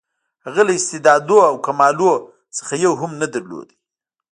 هغه له استعدادونو او کمالونو څخه یو هم نه درلود.